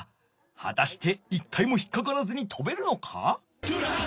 はたして一回も引っかからずにとべるのか？